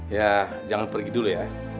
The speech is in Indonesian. ya jangan pergi dulu ya